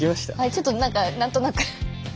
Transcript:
ちょっと何か何となく。